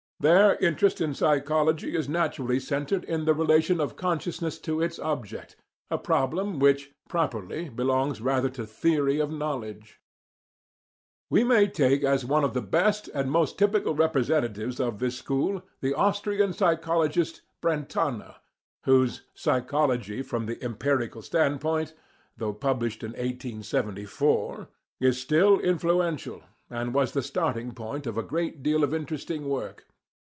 Their interest in psychology is naturally centred in the relation of consciousness to its object, a problem which, properly, belongs rather to theory of knowledge. We may take as one of the best and most typical representatives of this school the Austrian psychologist Brentano, whose "Psychology from the Empirical Standpoint,"* though published in 1874, is still influential and was the starting point of a great deal of interesting work.